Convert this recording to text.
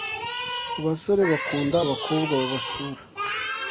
abasore bakunda abakobwa babasura